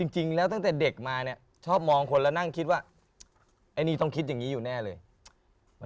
จริงแล้วตั้งแต่เด็กมาเนี่ยชอบมองคนแล้วนั่งคิดว่าไอ้นี่ต้องคิดอย่างนี้อยู่แน่เลย